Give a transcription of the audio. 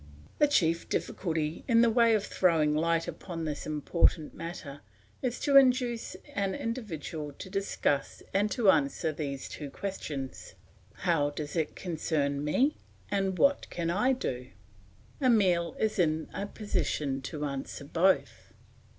The chief difficulty in the way of throwing light upon this important matter is to induce an individual to discuss and to answer these two questions. "How does it concern me; and what can I do?" Emile is in a position to answer both.